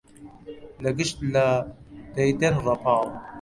لە گشت لا دەیدەن ڕەپاڵ